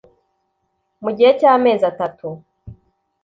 mu gihe cy amezi atatu